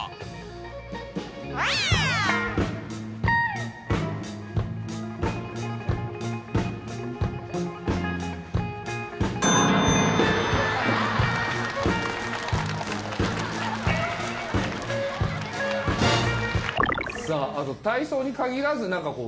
さああと体操に限らず何かこう動きのコント。